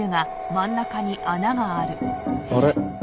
あれ？